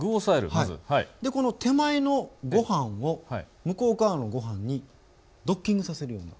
でこの手前のご飯を向こう側のご飯にドッキングさせるような。